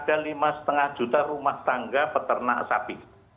ada lima lima juta rumah tangga peternak sapi